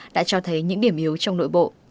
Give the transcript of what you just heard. đã cho thấy những điểm yếu trong nội bộ